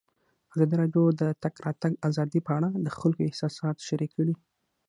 ازادي راډیو د د تګ راتګ ازادي په اړه د خلکو احساسات شریک کړي.